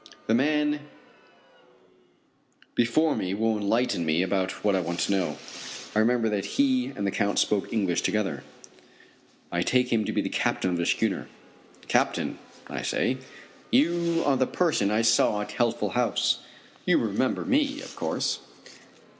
The man before me will enlighten me about what I want to know. I remember that he and the Count spoke English together. I take him to be the captain of the schooner. "Captain," I say, "you are the person I saw at Healthful House. You remember me, of course?"